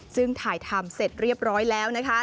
ซึ่งถ่ายทำเสร็จเรียบร้อยแล้วนะคะ